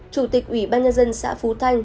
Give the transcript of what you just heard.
chủ tịch ủy ban nhân dân xã phú thanh